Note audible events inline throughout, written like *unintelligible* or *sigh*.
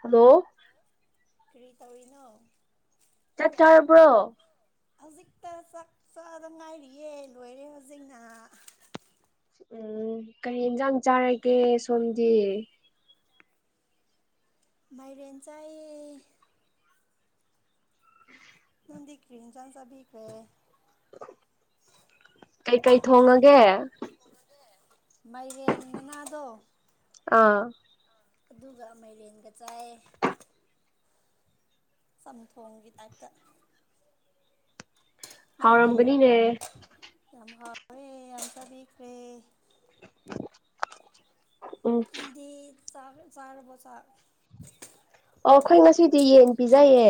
hello ꯀ꯭ꯔꯤ ꯇꯧꯔꯤꯅꯣ ꯆꯠ ꯆꯥꯔꯕ꯭ꯔꯣ ꯍꯧꯖꯤꯛꯇ ꯆꯥꯛ ꯆꯥꯗ ꯉꯥꯏꯔꯤꯌꯦ ꯂꯣꯏꯔꯦ ꯍꯧꯖꯤꯛꯅ ꯎꯝ ꯀꯔꯤ ꯏꯟꯁꯥꯡ ꯆꯥꯔꯒꯦ ꯁꯣꯝꯗꯤ ꯃꯥꯏꯔꯦꯟꯦꯟꯁꯥꯏ ꯎꯝ ꯔꯤ ꯏꯟ ꯆꯁ ꯈ꯭ꯔꯦ ꯀꯩꯀꯩ ꯊꯣꯡꯉꯒꯦ ꯃꯥꯏꯔꯦꯟ ꯃꯅꯥꯗꯣ ꯑꯥ ꯑꯗꯨꯒ ꯑꯃꯦꯔꯤꯦꯟꯒ ꯆꯥꯏ ꯆꯝꯊꯣꯡꯒꯤ ꯇꯥꯏꯞꯇ ꯍꯥꯎꯔꯝꯒꯅꯤꯅꯦ ꯑ ꯌꯥꯝꯇ ꯂꯤ ꯀ꯭ꯔꯦ ꯎꯝ ꯑꯗꯤ ꯆꯥ ꯆꯥꯔꯕꯆꯥꯥ ꯑꯣ ꯑꯩꯈꯣꯏ ꯉꯁꯤꯗꯤ ꯌꯦꯟ ꯄꯤꯖꯩꯌꯦ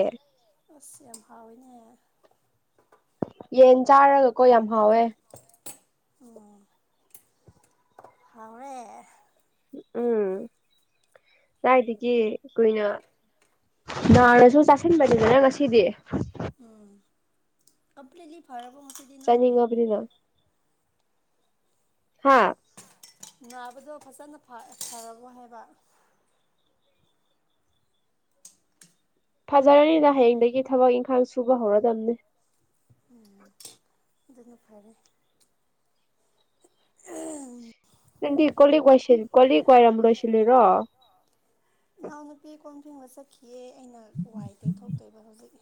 ꯑꯁ ꯌꯥꯝ ꯍꯥꯎꯦꯅꯦ ꯌꯦꯟ ꯆꯥꯔꯒꯀꯣ ꯌꯥꯝ ꯍꯥꯎꯋꯦ ꯎꯝ ꯍꯥꯎꯔꯦ ꯎꯝ ꯀꯥꯏꯗꯒꯤ ꯀꯨꯏꯅ ꯅꯥꯅꯁꯨ ꯆꯥꯁꯤꯟꯕꯅꯤꯗꯅ ꯉꯁꯤꯗꯤ ꯎꯝ ꯀꯄ ꯂ ꯐꯔ ꯆꯥꯅꯤꯡꯉꯕꯅꯤꯅ ꯍꯥꯥ ꯅꯥꯕꯗꯣ ꯐꯖꯅ ꯐꯔꯃꯣꯏ ꯍꯥꯏꯕ ꯐꯖꯔꯅꯤꯅ ꯍꯌꯦꯡꯗꯒꯤ ꯊꯕꯛ ꯏꯪꯈꯥꯡ ꯁꯨꯕ ꯍꯧꯔꯗꯝꯗꯝꯅꯤ ꯎꯝ ꯑꯗꯨꯅ ꯐꯔꯦ ꯎꯝ ꯅꯗꯤ ꯀꯂ ꯀꯣꯏꯁꯤ ꯀꯂ ꯀꯣꯏꯔꯝ ꯂ ꯑꯣꯏꯁꯤꯦ ꯔꯣ ꯏꯅꯥꯎꯅꯨꯄꯤ ꯀꯣꯝ ꯊꯤꯡꯕ ꯆꯠꯈꯤꯑ ꯑꯩꯅ ꯋꯥꯏ ꯇꯩ ꯊꯣꯛꯇꯣꯏꯕ ꯍꯧꯖꯤꯛ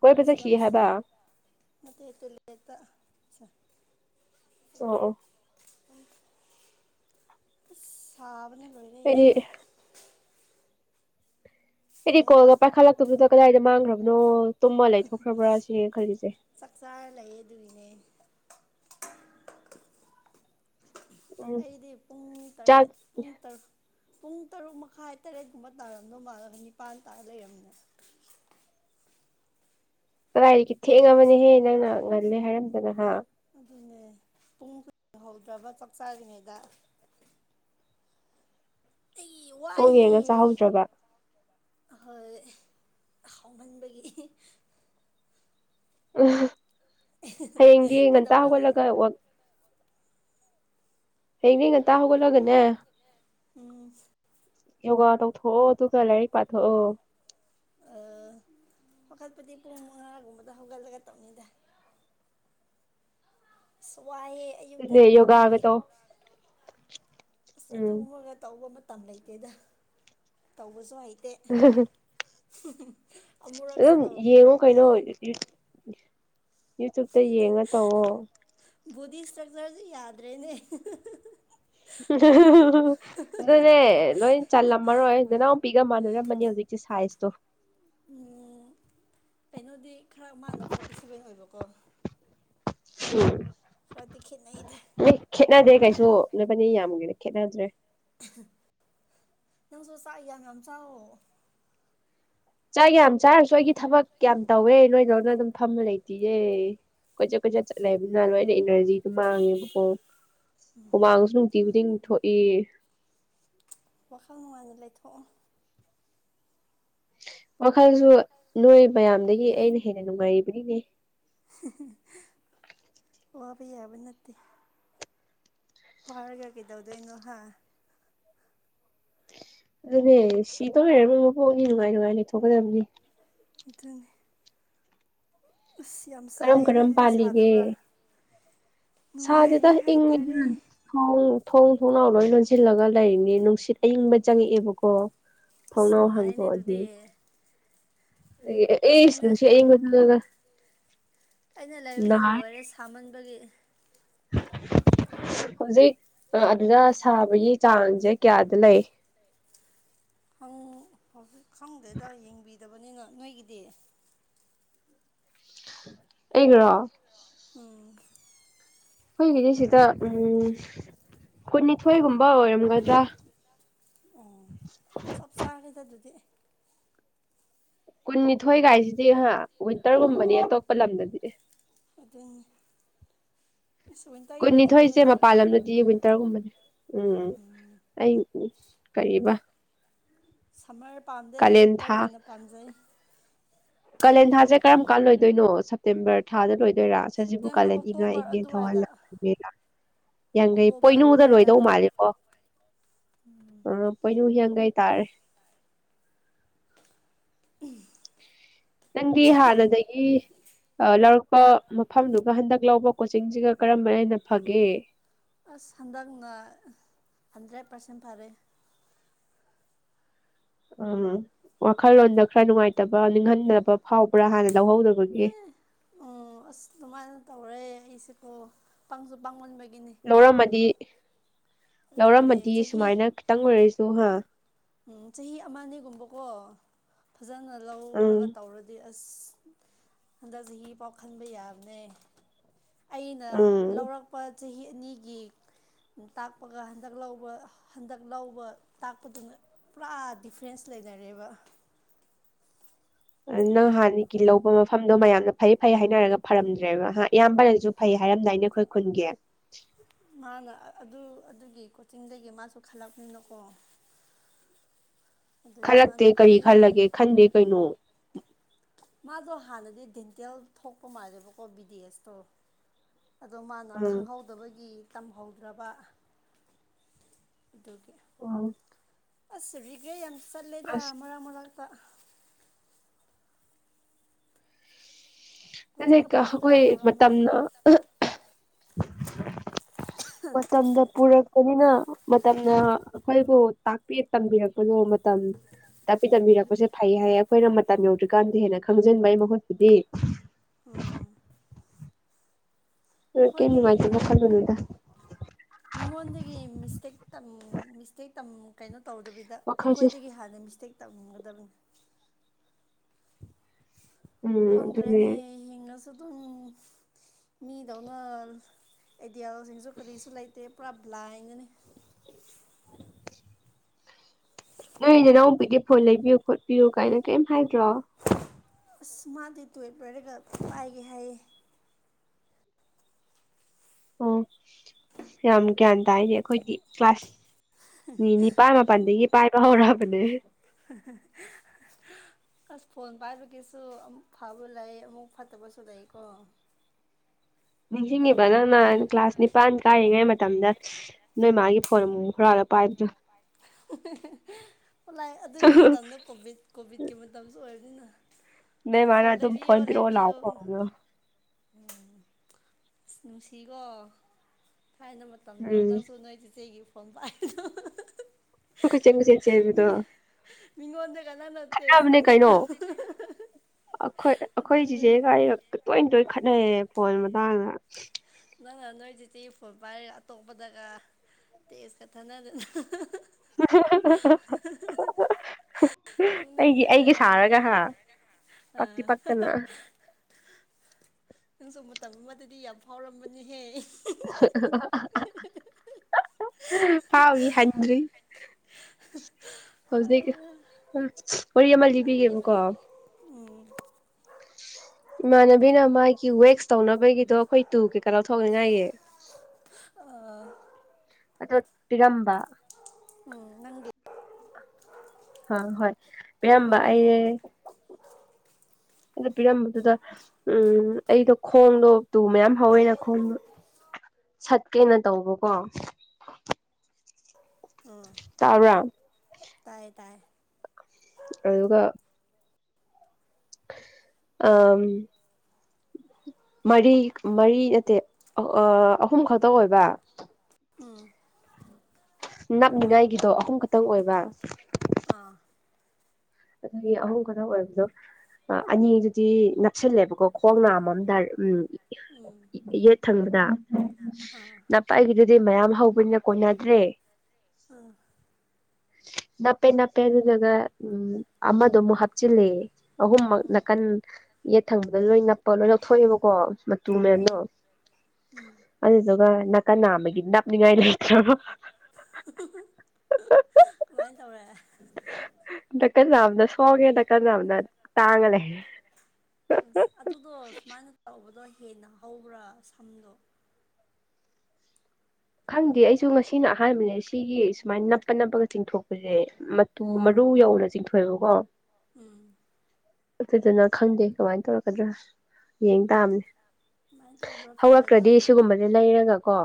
ꯀꯣꯏ ꯄꯁ ꯁꯤ ꯍ ꯍꯥꯏꯕ ꯌꯦꯇ ꯆ ꯑ ꯎ ꯁꯥꯕꯅ ꯂꯣꯏꯔꯦ ꯐꯔꯤ ꯑꯩꯗꯤ ꯀꯩ ꯍꯥꯏꯕ ꯀꯣꯜꯂꯒ ꯄꯥꯏꯈꯠꯂꯛꯇꯕꯗꯨꯗ ꯀꯗꯥꯏꯗ ꯃꯥꯡꯈ꯭ꯔꯕꯅꯣ ꯇꯨꯝꯃ ꯂꯩꯊꯣꯛꯈ꯭ꯔꯕ꯭ꯔꯥ ꯁꯤꯅ ꯈꯜꯂꯤꯁꯦ ꯆꯥꯛꯆꯥꯥꯔ ꯂꯩꯌꯦ ꯑꯗꯨꯏꯅꯦ ꯎꯝ ꯑꯩꯗꯤ ꯄꯨꯡ ꯆꯥꯛ ꯇꯔꯦꯠ ꯇꯔꯨꯛ ꯄꯨꯡ ꯇꯔꯨꯛ ꯃꯈꯥꯏ ꯇꯔꯦꯠꯀꯨꯝꯕ ꯇꯥꯔꯝꯗꯧ ꯃꯥꯜꯂ ꯅꯤꯄꯥꯥꯟ ꯇꯥ ꯂꯩꯔꯝꯅꯦ ꯀꯗꯥꯏꯗꯒꯤ ꯊꯦꯡꯉꯕꯅꯦꯍꯦ ꯅꯪꯅ ꯉꯜꯂꯦ ꯍꯥꯏꯔꯝꯗꯅꯍ ꯑꯗꯨꯅꯦ ꯄꯨꯡ ꯈꯨ ꯍꯧꯗ꯭ꯔꯕ ꯆꯥꯛ ꯆꯥꯔꯤꯉꯩꯗ ꯑꯩ ꯄꯣꯡ ꯋꯥꯏꯍꯦ ꯌꯦꯡꯉ ꯆꯥꯍꯧꯗ꯭ꯔꯕ ꯍꯣꯏ ꯍꯥꯎꯍꯟꯕꯒꯤ ꯎ ꯍꯌꯦꯡꯗꯤ ꯉꯟꯇꯥ ꯀꯩꯗꯧꯔꯝꯃꯤꯅꯣ ꯍꯧꯒꯠꯂꯒ ꯋꯥ ꯍꯩꯅꯦ ꯉ ꯇ ꯍꯒꯂꯒꯅꯦ ꯎꯝ ꯌꯣꯒꯥ ꯇꯧꯊꯣ ꯇꯨ ꯀ ꯂꯥꯏꯔꯤꯛ ꯄꯥꯊ ꯆꯥꯎꯒꯠꯄꯗꯤ ꯄꯨꯡ ꯃꯉꯥꯒꯨꯝꯕꯗ ꯍꯧꯒꯠꯂꯒ ꯇꯧꯅꯤꯗ *inaudible* ꯋꯥꯏꯑꯦ ꯑꯌꯨꯛꯇ ꯑꯗꯨꯅꯦ ꯌꯣꯒꯥꯒ ꯅꯨꯡꯇꯤꯒꯤ ꯇꯧ ꯑꯁ ꯎꯝ ꯑꯗꯨꯒꯨꯝꯕꯒ ꯇꯧꯕ ꯃꯇꯝ ꯂꯩꯇꯦꯗ ꯇꯧꯕꯁꯨ ꯑꯩ *inaudible* ꯎ ꯑꯗꯨꯝ ꯌꯦꯡꯉꯣ ꯀꯩꯅꯣ ꯌꯨꯇ꯭ꯌꯨꯕꯇ ꯌꯦꯡꯉ ꯇꯧꯑꯣꯣ ꯗꯤ ꯏꯁꯇ꯭ꯔꯛꯆꯔꯁꯨ ꯌꯥꯗ꯭ꯔꯦꯅꯦ ꯑꯗꯨꯅꯦ ꯂꯣꯏ ꯆꯜꯂꯝꯃꯔꯣꯏ ꯅꯅꯥꯎꯄꯤꯒ ꯃꯥꯟꯅꯔꯝ ꯃ ꯍꯧꯖꯤꯛꯁꯦ ꯁꯥꯏꯟꯁꯇꯣ ꯀꯩꯅꯣꯗꯤ ꯈꯔ ꯃꯥꯅ ꯐꯣꯔꯇꯤ ꯁꯦꯚꯦꯟ ꯑꯣꯏꯕꯀꯣ ꯎꯝ ꯈꯔꯗꯤ ꯈꯦꯠꯅꯩꯗ ꯅ ꯈꯦꯠꯅꯗꯦ ꯀꯩꯁꯨ ꯅꯣꯏꯕꯅꯤ ꯌꯥꯝꯒꯦꯗ ꯈꯦꯠꯅꯗ꯭ꯔꯦ ꯅ ꯁꯣ ꯆꯏ ꯌꯥꯅꯆꯥ ꯆꯥꯛ ꯌꯥꯝ ꯆꯥꯔꯁꯨ ꯑꯩꯒꯤ ꯊꯕꯛ ꯌꯥꯝ ꯇꯧꯋꯦ ꯅꯣꯏꯗꯧꯅ ꯑꯗꯨꯝ ꯐꯝꯕ ꯂꯩꯇꯦꯌꯦ ꯀꯣꯏꯆꯠ ꯀꯣꯏꯆꯠ ꯆꯠꯂꯦ ꯍꯥꯏꯕꯅꯤꯅ ꯂꯣꯏꯅ ꯏꯅꯔꯖꯤꯗꯨꯣ ꯃꯥꯡꯉꯦꯕꯀꯣ ꯍꯨꯃꯥꯡꯁꯨ ꯅꯨꯡꯇꯤ ꯈꯨꯗꯤꯡ ꯊꯣꯛꯏ ꯋꯥꯈꯜ ꯅꯨꯡꯉꯥꯏꯅ ꯂꯩꯊꯣꯛꯑꯣ ꯋꯥꯈꯜꯁꯨ ꯅꯣꯏ ꯃꯌꯥꯝꯗꯒꯤ ꯑꯩꯅ ꯍꯦꯟꯅ ꯅꯨꯡꯉꯥꯏꯔꯤꯕꯅꯤꯅꯦ ꯄ ꯌꯥꯕ ꯅꯠꯇꯦ ꯍꯔꯒꯀꯗꯗꯣꯏꯩꯅꯣ ꯍꯥ ꯑꯗꯨꯅꯦ ꯁꯤꯗ ꯂꯩꯔꯕ ꯃꯄꯣꯛꯅꯤ ꯅꯨꯡꯉꯥꯏ ꯅꯨꯡꯉꯥꯏ ꯂꯩꯊꯣꯛꯀꯗꯕꯅꯤ ꯑꯗꯨꯇꯅꯤ ꯑꯁ ꯌꯥꯝ ꯀꯔꯝ ꯁꯥꯏꯌꯦ ꯀꯔꯝ ꯅꯣꯏꯗꯗꯤ ꯄꯥꯜꯂꯤꯒꯦ ꯁꯥꯗꯕ꯭ꯔꯥ ꯁꯥꯗꯦꯗ ꯅꯨꯡꯉꯥꯏꯔꯤ ꯏ ꯍ ꯍꯥꯏꯇꯥꯔꯦ ꯊꯣꯡ ꯊꯣꯡꯅꯥꯎ ꯂꯣꯏ ꯂꯣꯟꯁꯤꯜꯂꯒ ꯂꯩꯔꯤꯅꯤ ꯅꯨꯡꯁꯤꯠ ꯑꯏꯤꯡꯕ ꯆꯪꯉꯛꯑꯦꯕꯀꯣ ꯑꯁ ꯊꯣꯡꯅꯥꯎ ꯅꯨꯡꯉꯥꯏꯅꯦ ꯑꯗꯨꯗꯤ ꯑꯁ ꯑꯦꯁ ꯑꯩꯅ ꯃꯤꯁꯤ ꯌꯦꯡꯒ ꯑꯩꯅ ꯂꯩꯕꯁꯤ ꯂꯣꯏꯔꯦ ꯁꯥꯃꯟꯕꯒꯤ *unintelligible* ꯍꯧꯖꯤꯛ ꯑꯗꯨꯗ ꯁꯥꯕꯒꯤ ꯆꯥꯡꯁꯦ ꯀꯌꯥꯗ ꯂꯩ ꯍꯧꯖꯤꯛ ꯈꯪꯗ꯭ꯔꯦꯗ ꯌꯦꯡꯕꯤꯗꯕꯅꯤꯅ ꯅꯣꯏꯒꯤꯗꯤ ꯑꯩꯒ꯭ꯔꯣ ꯎꯝ ꯑꯩꯈꯣꯏꯒꯤꯗꯤ ꯁꯤꯗ ꯎꯝ ꯀꯨꯟꯅꯤꯊꯣꯏꯒꯨꯝꯕ ꯑꯣꯏꯔꯝꯒꯗ꯭ꯔꯥ ꯑꯣ ꯆꯞ ꯆꯥꯔꯦꯗ ꯑꯗꯨꯗꯤ ꯀꯨꯟꯅꯤꯊꯣꯏꯒꯥꯏꯁꯤꯗꯤ ꯑ ꯋꯤꯟꯇꯔꯒꯨꯝꯕꯅꯤ ꯑꯇꯣꯞꯄ ꯂꯝꯗꯗꯤ ꯑꯗꯨꯗꯒꯤ ꯀꯨꯟꯅꯤꯊꯣꯏꯁꯦ ꯃꯄꯥꯟ ꯂꯝꯗꯗꯤ ꯋꯤꯟꯇꯔꯒꯨꯝꯕꯅꯦ ꯎꯝꯝ ꯎꯝ ꯑꯩ ꯎ ꯀꯩꯕ ꯁꯝꯃꯔ ꯄꯥꯝꯖꯩ ꯋꯤꯟꯇꯔ ꯍꯦꯟꯅ ꯄꯥꯝꯖꯩ ꯀꯥꯂꯦꯟꯊꯥꯁꯦ ꯀꯔꯝ ꯀꯥꯟꯗ ꯂꯣꯏꯗꯣꯏꯅꯣ ꯁꯦꯞꯇꯦꯝꯕꯔ ꯊꯥꯗ ꯂꯣꯏ ꯒꯦꯔꯥ ꯁꯖꯤꯕꯨ ꯁꯦꯞꯇꯦꯝꯕꯔ ꯀꯥꯂꯅꯤ ꯏꯉꯥꯏ ꯑꯣꯛꯇꯣꯕꯔ ꯏꯉꯦ ꯑꯗꯨꯋꯥꯏꯗ ꯊꯧꯋꯥꯜꯦꯔꯥ ꯌꯥꯡꯈꯩ ꯑꯣꯛꯇꯣꯕꯔ ꯄꯣꯏꯅꯨꯗ ꯑꯗꯨꯋꯥꯏꯗ ꯂꯣꯏꯗꯧ ꯃꯥꯜꯂꯦꯀꯣ ꯑ ꯄꯣꯏꯅꯨ ꯌꯥꯡ ꯇꯔ ꯅꯪꯒꯤ ꯍꯥꯗꯗꯗꯒꯤ ꯂꯧꯔꯛꯄ ꯃꯐꯝꯗꯨꯒ ꯍꯟꯗꯛ ꯂꯧꯕ ꯀꯣꯆꯤꯡꯁꯤꯒ ꯀꯔꯝꯕꯅ ꯍꯦꯟꯅ ꯐꯒꯦ ꯑꯁ ꯍꯟꯗꯛꯅ ꯍꯟꯗ꯭ꯔꯦꯠ ꯄꯥꯔꯁꯦꯟ ꯐꯔꯦ ꯎꯝ ꯋꯥꯈꯜꯂꯣꯟꯗ ꯈꯔ ꯅꯨꯡꯉꯥꯏꯇꯕ ꯅꯤꯡꯍꯟꯅꯗꯕ ꯐꯥꯎꯕ꯭ꯔꯥ ꯍꯥꯟꯅ ꯂꯧꯍꯧꯗꯕꯒꯤ ꯑꯦ ꯎꯝ ꯑꯁ ꯗꯨꯃꯥꯏꯅ ꯇꯧꯔꯦ ꯑꯩꯁꯤꯀꯣ ꯄꯪꯁꯨ ꯄꯪꯃꯟꯕꯒꯤ ꯂꯧꯔꯝꯃꯗꯤ ꯑꯗꯨꯅꯦ ꯂꯧꯔꯝꯃꯗꯤ ꯆꯍꯤ ꯁꯨꯃꯥꯏꯅ ꯈꯤꯇꯪ ꯑꯣꯏꯔꯁꯨ ꯍꯥ ꯎꯝ ꯆꯍꯤ ꯑꯃꯅꯤꯒꯨꯝꯕꯀꯣ ꯐꯖꯅ ꯎꯝ ꯂꯧꯔꯒ ꯇꯧꯔꯗꯤ ꯑꯁ ꯍꯟꯗꯛ ꯆꯍꯤ ꯐꯥꯎ ꯈꯟꯕ ꯌꯥꯕꯅꯦ ꯑꯩꯅ ꯎꯝ ꯂꯧꯔꯛꯄ ꯆꯍꯤ ꯑꯅꯤꯒꯤ ꯇꯥꯛꯄꯒ ꯍꯟꯗꯛ ꯂꯧꯕ ꯍꯟꯗꯛ ꯂꯧꯕ ꯇꯥꯛꯄꯗꯨꯅ ꯄꯨꯔꯥ ꯗꯤꯐ꯭ꯔꯦꯟꯁ ꯂꯩꯅꯔꯦꯕ ꯅꯪ ꯍꯥꯟꯅꯒꯤ ꯂꯧꯕ ꯃꯐꯝꯗꯣ ꯃꯌꯥꯝꯅ ꯐꯩ ꯐꯩ ꯍꯥꯏꯅꯔꯒ ꯐꯔꯝꯗ꯭ꯔꯦꯕ ꯍꯥ ꯏꯌꯥꯝꯕꯅꯁꯨ ꯐꯩ ꯍꯥꯏ ꯍꯥꯏꯔꯝꯗꯥꯏꯅ ꯑꯩꯈꯣꯏ ꯈꯨꯟꯒꯤ ꯃꯥꯅ ꯑꯗꯨ ꯑꯗꯨꯒꯤ ꯀꯣꯆꯤꯡꯗꯒꯤ ꯃꯥꯁꯨ ꯈꯜꯂꯛꯄꯥꯅꯤꯅꯀꯣ ꯈꯜꯂꯛꯇꯦ ꯀꯔꯤ ꯐꯩ ꯈꯜꯂꯒꯦ ꯈꯟꯗꯦ ꯀꯩꯅꯣ ꯃꯥꯗꯣ ꯍꯥꯟꯅꯗꯤ ꯗꯦꯟꯇꯦꯜ ꯊꯣꯛꯄ ꯃꯥꯜꯂꯦꯕꯀꯣ ꯕꯤꯗꯤ ꯑꯦꯁꯇꯣ ꯑꯗꯣ ꯃꯥꯅ ꯎꯝ ꯈꯪꯍꯧꯗꯕꯒꯤ ꯇꯝꯍꯧꯗ꯭ꯔꯕ ꯑꯗꯨꯒꯤ ꯑꯣ ꯑꯁ ꯔꯦꯒꯔꯇꯦ ꯌꯥꯝ ꯆꯠꯂꯦꯗ ꯃꯔꯛ ꯃꯔꯛꯇ ꯀꯣꯆꯤꯡ ꯑꯐꯕꯗꯒ ꯑꯩꯈꯣꯏ ꯇꯧꯔꯝꯃꯗꯤ ꯃꯇꯝꯅ ꯃꯇꯝꯗ ꯄꯨꯔꯛꯄꯅꯤꯅ ꯃꯇꯝꯅ ꯑꯩꯈꯣꯏꯕꯨ ꯇꯥꯛꯄꯤ ꯇꯝꯕꯤꯔꯛꯄꯗꯣ ꯃꯇꯝ ꯇꯥꯛꯄꯤ ꯇꯝꯕꯤꯔꯛꯄꯁꯦ ꯐꯩꯌꯦ ꯍꯥꯏꯌꯦ ꯑꯩꯈꯣꯏꯅ ꯃꯇꯝ ꯌꯧꯗ꯭ꯔꯤꯀꯥꯟꯗ ꯍꯦꯟꯅ ꯈꯪꯖꯤꯟꯕꯩ ꯃꯍꯨꯠꯄꯨꯗꯤ *inaudible* ꯎꯝ ꯀꯩ ꯑꯩꯈꯣꯏꯗꯤ ꯅꯨꯡꯉꯥꯏꯇꯕ ꯀꯩꯅꯣꯅꯦ ꯈꯜꯂꯨꯅꯨꯗ ꯃꯤꯉꯣꯟꯗꯒꯤ ꯃꯤꯁꯇꯦꯛ ꯃꯤꯁꯇꯦꯛ ꯇꯝ ꯀꯩꯅꯣ ꯇꯧꯗꯕꯤꯗ ꯋꯥꯈꯜꯁꯦ ꯑꯩꯈꯣꯏꯗꯒꯤ ꯍꯥꯟꯅ ꯃꯤꯁꯇꯦꯛ ꯇꯝꯒꯗꯕꯅꯤ ꯎꯝ ꯑꯗꯨꯅꯦ ꯈꯪꯗ꯭ꯔꯦꯅꯦ ꯍꯤꯡꯉꯁꯨ ꯑꯗꯨꯝ ꯃꯤꯗꯧꯅ ꯗꯤꯜꯁꯤꯡꯁꯨ ꯀꯔꯤꯁꯨ ꯂꯩꯇꯦ ꯄꯨꯔꯥ ꯕ꯭ꯂꯥꯏꯟꯗꯅꯦ *unintelligible* ꯅꯣꯏ ꯅꯅꯎꯄꯤꯗꯤ ꯐꯣꯟ ꯂꯩꯕꯤꯌꯨ ꯈꯣꯠꯄꯤꯌꯨ ꯀꯥꯏꯅ ꯀꯦꯝ ꯑꯁ ꯃꯥ ꯇꯨꯋꯜꯞ ꯑꯣꯏꯔꯒ ꯄꯥꯏꯒꯦ ꯍꯥꯏꯌꯦ ꯑꯣ ꯌꯥꯝ ꯒ꯭ꯌꯥꯟ ꯇꯥꯏꯌꯦ ꯑꯩꯈꯣꯏꯗꯤ ꯀ꯭ꯂꯥꯁ ꯃꯤ ꯅꯤꯄꯥ ꯃꯄꯥꯟꯗꯒꯤ ꯄꯥꯏꯕ ꯍꯧꯔꯛꯑꯕꯅꯦ *inaudible* ꯍꯥꯍꯥꯍꯥ ꯑꯁ ꯐꯣꯟ ꯄꯥꯏꯕꯒꯤꯁꯨ ꯑꯃꯨꯛ ꯐꯕ ꯂꯩ ꯑꯃꯨꯛ ꯐꯠꯇꯕꯁꯨ ꯂꯩꯀꯣ *inaudible* ꯅꯤꯡꯁꯤꯡꯉꯤꯕ ꯅꯪꯅꯥ ꯀ꯭ꯂꯥꯁ ꯅꯤꯄꯥꯥꯟ ꯀꯥꯔꯤꯉꯦ ꯃꯥꯇꯝ ꯃꯇꯝꯗ ꯅꯣꯏ ꯃꯥꯒꯤ ꯐꯣꯟ ꯑꯃꯨꯛ ꯑꯃꯨꯛ ꯍꯨꯔꯥꯜꯂꯒꯥ ꯄꯥꯏꯕꯗꯣ ꯂꯥꯏ ꯑꯗꯨꯒꯤ ꯃꯇꯝꯗꯣ ꯀꯣꯚꯤꯠ ꯀꯣꯚꯤꯠꯀꯤ ꯃꯇꯝꯁꯨ ꯑꯣꯏꯔ ꯅꯣꯏ ꯃꯥꯅ ꯑꯗꯨꯝ ꯐꯣꯟ ꯄꯤꯔꯛ ꯑꯣ ꯂꯩꯕꯤꯌꯣꯅ ꯂꯥꯎꯕꯗꯣ ꯏꯁ ꯅꯨꯡꯁꯤ ꯀꯣ ꯊꯥꯏꯅ ꯃꯇꯝꯗꯣ ꯅꯪꯁꯨ ꯎꯝ ꯅꯣꯏ ꯆꯤꯆꯦꯒꯤ ꯄꯥꯏꯗꯣ ꯀꯣꯏꯆꯦꯟ ꯀꯣꯏꯆꯦꯜ ꯆꯦꯟꯕꯗꯣ ꯃꯤꯉꯣꯟꯗꯒꯥ ꯅꯪꯅ ꯇꯦꯛꯁ ꯈꯠꯅꯕꯅꯦ ꯀꯩꯅꯣ ꯁꯟꯕꯗꯣ ꯑꯩꯈꯣꯏ ꯑꯩꯈꯣꯏ ꯆꯤꯆꯦꯒ ꯑꯩꯒ ꯇꯣꯏ ꯇꯣꯏꯅ ꯈꯠꯅꯩꯌꯦ ꯐꯣꯟ ꯃꯇꯥꯡꯗ ꯅꯪꯅ ꯅꯣꯏ ꯆꯤꯆꯦ ꯒꯤ ꯐꯣꯟ ꯄꯥꯏꯔꯒ ꯑꯇꯣꯞꯄꯗꯒ ꯇꯦꯖꯀ ꯊꯅꯗꯅ *inaudible* ꯑꯩꯒꯤ ꯅꯣꯛꯅꯤꯡꯉꯦꯗ ꯑꯩꯒꯤ ꯌꯥꯝꯅ ꯁꯥꯔꯒ ꯍꯥ ꯇꯛꯇꯤ ꯑꯥ ꯇꯛꯇꯅ ꯅꯪꯁꯨ ꯃꯇꯝ ꯑꯃꯗꯗꯤ ꯌꯥꯝ ꯐꯥꯎꯔꯝꯕꯅꯤꯍꯦ ꯐꯥꯎꯔꯤ ꯍꯟꯗ꯭ꯔꯤ ꯍꯧꯖꯤꯛ ꯎ ꯋꯥꯔꯤ ꯑꯃ ꯂꯤꯕꯤꯒꯦꯕꯀꯣ ꯏꯃꯅꯕꯤꯅ ꯃꯥꯒꯤ ꯋꯦꯛꯁ ꯇꯧꯅꯕꯒꯤꯗꯣ ꯑꯩꯈꯣꯏ ꯇꯨ ꯀꯩꯀꯩꯅ ꯊꯣꯛꯅꯤꯡꯉꯥꯏꯌꯦ ꯑ ꯑꯗꯣ ꯇꯤꯒꯝꯕ ꯎꯝ ꯅꯪꯗꯤ ꯑ ꯍꯣꯏ ꯃꯌꯥꯝꯕ ꯑꯣ ꯑꯣ ꯑꯩꯁꯦ ꯑꯗ ꯄꯤꯔꯝꯕꯗꯨꯗ ꯎꯝ ꯑꯩꯗꯣ ꯈꯣꯡꯗꯣ ꯇꯨ ꯃꯌꯥꯝ ꯍꯧꯋꯦꯅ ꯈꯣꯡꯗꯣ ꯁꯠꯀꯦꯅ ꯇꯧꯕꯀꯣ ꯎꯝ ꯇꯥꯎꯔꯥ ꯇ ꯇꯥꯏ ꯑꯗꯨꯒ ꯑꯝ ꯃꯔꯤ ꯃꯔꯤ ꯅꯠꯇꯦ ꯑꯍꯨꯝ ꯈꯛꯇ ꯑꯣꯏꯕ ꯎꯝ ꯅꯞꯅꯤꯡꯉꯥꯏꯒꯤꯗꯣ ꯑꯍꯨꯝ ꯈꯛꯇꯪ ꯑꯣꯏꯕ ꯑꯥ ꯑꯗꯒꯤ ꯑꯍꯨꯝ ꯈꯔ ꯑꯣꯏꯕꯗꯣ ꯑꯅꯤꯗꯨꯗꯤ ꯅꯞꯁꯤꯜꯂꯦꯕꯀꯣ ꯈꯣꯡ ꯅꯥꯝꯃꯝ ꯎꯝ ꯎꯝ ꯌꯦꯠ ꯊꯪꯕꯗ ꯑꯥ ꯄꯥꯒꯤꯗꯨꯗꯤ ꯃꯌꯥꯝ ꯍꯧꯕꯅꯤꯅ ꯀꯣꯟꯅꯗ꯭ꯔꯦ ꯎꯝ *inaudible* ꯅꯞꯄꯦ ꯅꯞꯄꯦ ꯑꯗꯨꯗꯨꯒ ꯎꯝ ꯑꯃꯗ ꯑꯃꯨꯛ ꯍꯥꯞꯆꯤꯜꯂꯦ ꯑꯍꯨꯝꯃꯛ ꯅꯥꯀꯟ ꯌꯦꯠ ꯊꯪꯕꯗ ꯂꯣꯏ ꯅꯞꯄꯒ ꯂꯣꯏ ꯂꯧꯊꯣꯛꯑꯦꯕꯀꯣ ꯇꯨꯃꯦꯅꯣ ꯑꯗꯨꯗꯨꯒ ꯀꯅꯥꯃꯦ ꯀꯅꯤ ꯉꯥꯏ ꯂꯩ ꯏꯇ꯭ꯔꯣ ꯀꯃꯥꯏꯅ ꯇꯧꯔꯦ ꯗꯀ ꯂꯝꯅ ꯁꯣꯉꯦ ꯗꯀꯅꯅ ꯇꯥꯡꯡꯂꯦ ꯑ ꯑꯗꯨꯗꯣ ꯁꯨꯃꯥꯏꯅ ꯇꯧꯕꯗꯣ ꯍꯦꯟꯅ ꯍꯧꯕ꯭ꯔꯥ ꯁꯝꯗꯣ ꯈꯪꯗꯦ ꯑꯩꯁꯨ ꯉꯁꯤꯅ ꯑꯍꯥꯟꯕꯅꯦ ꯁꯤꯒꯤ ꯁꯨꯃꯥꯏꯅ ꯅꯞꯄ ꯅꯞꯄꯒ ꯆꯤꯡꯊꯣꯛꯄꯁꯦ ꯃꯇꯨ ꯃꯔꯨ ꯎꯝ ꯌꯧꯅ ꯆꯤꯡꯊꯣꯛꯑꯦꯕꯀꯣ ꯎꯝ ꯑꯗꯨꯗꯅ ꯈꯪꯗꯦ ꯀꯃꯥꯏꯅ ꯇꯧꯔꯛꯀꯗ꯭ꯔꯥ ꯌꯦꯡ ꯇꯥꯕꯅꯦ ꯁꯨꯃꯥꯏꯅ ꯇꯧꯕ꯭ꯔꯥ ꯐꯔꯗꯤ ꯍꯧꯔꯛꯇ꯭ꯔꯗꯤ ꯑꯩ ꯁꯤꯒꯨꯝꯕꯗꯤ ꯂꯩꯔꯒꯀꯣ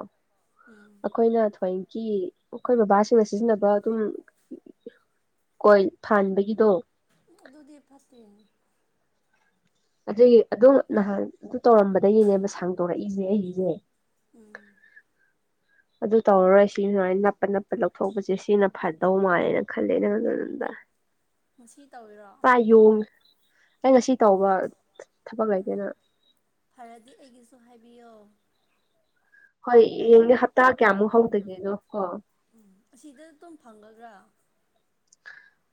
ꯎꯝ ꯑꯩꯈꯣꯏꯅ ꯑꯩꯈꯣꯏꯒꯤ ꯑꯩꯈꯣꯏ ꯕꯕꯥꯁꯤꯡꯅ ꯁꯤꯖꯤꯟꯅꯕ ꯑꯗꯨꯝ ꯍꯣꯏ ꯊꯥꯟꯕꯒꯤꯗꯣ ꯑꯗꯨꯗꯤ ꯐꯠꯇꯦ ꯑꯗꯨꯗꯒꯤ ꯑꯗꯣ ꯅꯍꯥꯟ ꯑꯗꯨ ꯇꯧꯔꯝꯕꯗꯒꯤꯗꯒꯤꯅꯦꯕ ꯁꯥꯡ ꯇꯧꯣꯔꯛꯏꯁꯦ ꯑꯩꯁꯦ ꯎꯝ ꯑꯗꯨ ꯇꯧꯔꯔꯣꯏ ꯁꯤ ꯁꯨꯃꯥꯏꯅ ꯅꯞꯄ ꯅꯞꯄ ꯂꯧꯊꯣꯛꯄꯁꯦ ꯁꯤꯅ ꯐꯗꯧ ꯃꯥꯜꯂꯦꯅ ꯈꯜꯂꯦ ꯅꯪꯗꯝꯗ ꯉꯁꯤ ꯇꯧꯔꯣ ꯑꯩ ꯉꯁꯤ ꯇꯧꯕ ꯊꯕꯛ ꯑ ꯂꯩꯇꯦꯅ ꯐꯔꯗꯤ ꯑꯩꯒꯤꯁꯨ ꯍꯥꯏꯕꯤꯌꯣ ꯍꯣꯏ ꯌꯦꯡꯅꯦ ꯍꯞꯇꯥ ꯀꯌꯥꯃꯨꯛ ꯍꯧꯗꯒꯦꯅꯣ ꯀꯣ ꯎꯝ ꯑꯁꯤꯗ ꯑꯗꯨꯝ ꯐꯪꯒꯗ꯭ꯔꯥ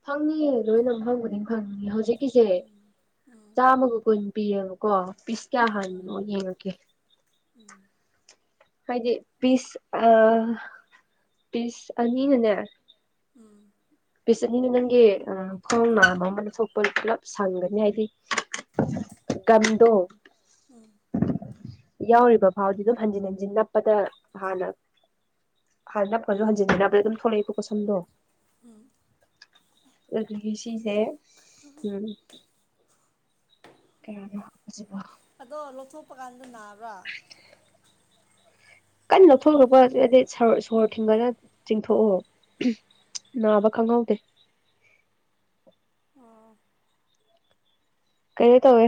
ꯐꯪꯅꯤꯌꯦ ꯂꯣꯏꯅ ꯐꯪ ꯈꯨꯗꯤꯡ ꯐꯪꯅꯤ ꯍꯧꯖꯤꯛ ꯀꯁꯦ ꯎꯝ ꯎꯝ ꯆꯥꯝꯃꯒ ꯀꯨꯟ ꯄꯤꯌꯦꯕꯀꯣ ꯄꯤꯁ ꯀꯌꯥ ꯑꯣ ꯑꯣ ꯍꯔ ꯎꯝ ꯍꯥꯏꯗꯤ ꯄꯤꯁ ꯑ ꯄꯤꯁ ꯑꯅꯤꯅꯅꯦ ꯎꯝ ꯄꯤꯆꯠꯅꯤꯅ ꯅꯪꯒꯤ ꯈꯣꯔꯣꯡ ꯃꯅꯥꯕ ꯑꯃ ꯊꯣꯛꯣꯛꯄ ꯄꯨꯂꯞ ꯁꯪꯒꯅꯤ ꯍꯥꯏꯗꯤ ꯀꯟꯗꯣ ꯎꯝ ꯌꯥꯎꯔꯤꯕ ꯐꯥꯎꯗꯤ ꯑꯗꯨꯝ ꯍꯟꯖꯤꯟ ꯍꯟꯖꯤꯟ ꯅꯞꯄꯗ ꯍꯥꯟꯅ ꯍꯥꯏꯥꯟ ꯅꯄꯁꯨ ꯍꯟꯖꯤꯟꯁ ꯅꯄꯗ ꯑꯗꯨꯝ ꯊꯣꯛꯂꯛꯏꯀꯣ ꯁꯝꯗꯣ ꯎꯝ ꯑꯗꯨꯁꯤꯁꯦ ꯎꯝ ꯀ ꯍꯖꯤꯕ ꯑꯗꯣ ꯂꯧꯊꯣꯛꯄ ꯀꯥꯟꯗ ꯅꯥꯕ꯭ꯔꯥ ꯀꯟꯅ ꯂꯧꯊꯣꯛꯂꯄꯗꯤ ꯁꯣꯔ ꯊꯤꯡꯒꯅ ꯆꯤꯡꯊꯣꯛꯑꯣ ꯅꯥꯕ ꯈꯪꯍꯧꯗꯦ ꯑꯣ ꯀꯩꯅꯣ ꯇꯧꯋꯦ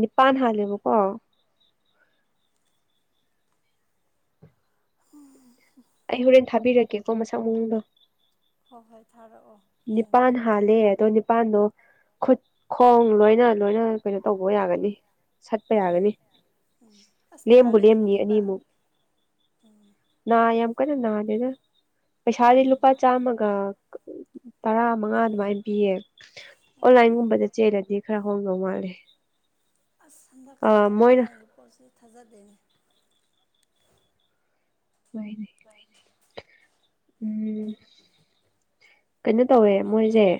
ꯅꯤꯄꯥꯟ ꯍꯥꯜꯂꯦꯕꯀꯣ ꯑꯩ ꯍꯣꯔꯦꯟ ꯊꯥꯕꯤꯔꯛꯀꯦꯀꯣ ꯃꯁꯥ ꯃꯎꯡꯗꯣ ꯍꯣꯏ ꯍꯣꯏ ꯊꯥꯔꯛ ꯅꯤꯄꯥꯟ ꯍꯥꯦ ꯅꯤꯄꯥꯟ ꯅ ꯈꯨꯠ ꯈꯣꯡ ꯂꯣꯏꯅ ꯂꯣꯏꯅ ꯀꯩꯅꯣ ꯇꯧꯕ ꯌꯥꯒꯅꯤ ꯁꯠꯄ ꯌꯥꯒꯅꯤ ꯎꯝ ꯑꯁ ꯂꯦꯝꯕꯨ ꯅꯥꯔꯗꯤ ꯂꯦꯝꯅꯤ ꯀꯤꯕ ꯑꯅꯤꯃꯨꯛ ꯎꯝ ꯅꯥ ꯌꯥꯝ ꯀꯩꯅ ꯅꯥꯗꯅ ꯄꯩꯁꯥꯗꯤ ꯂꯨꯄꯥ ꯆꯥꯝꯃꯒ ꯇꯔꯥ ꯃꯉꯥ ꯑꯗꯨꯃꯥꯏꯅ ꯄꯤꯌꯦ ꯑꯣ ꯑꯣꯟꯂꯥꯏꯟꯒꯨꯝꯕꯗ ꯆꯦꯜꯂꯗꯤ ꯈꯔ ꯍꯣꯡꯗꯧ ꯃꯥꯂꯦ ꯑꯁ ꯍꯟꯗꯛꯀꯥꯟꯁꯦ ꯑꯣꯟꯂꯥꯏꯟꯒꯤ ꯄꯣꯠꯁꯤ ꯊꯥꯖꯗꯦꯅꯦ ꯑꯣꯏꯏꯅꯦ ꯎꯝ ꯀꯩꯅꯣ ꯇꯧꯋꯦ ꯃꯤꯠꯅ ꯃꯣꯏꯁꯦ ꯎ